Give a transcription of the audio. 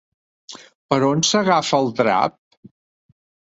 Per on s'agafa el drap?